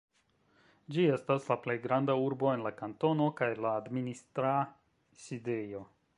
Ĝi estas la plej granda urbo en la kantono, kaj la administra sidejo.